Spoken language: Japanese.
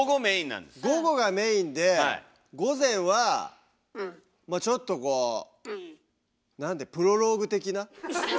午後がメインで午前はまあちょっとこうプロローグ！